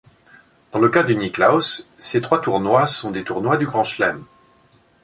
Dans le cas de Nicklaus, ces trois tournois sont des tournois du grand chelem.